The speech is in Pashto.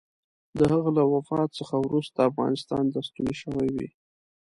د هغه له وفات څخه وروسته افغانستان ته ستون شوی وي.